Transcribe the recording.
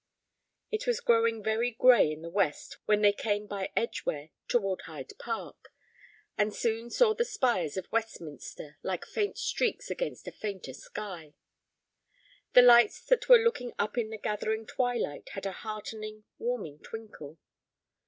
It was growing very gray in the west when they came by Edgeware toward Hyde Park, and soon saw the spires of Westminster like faint streaks against a fainter sky. The lights that were looking up in the gathering twilight had a heartening, warming twinkle.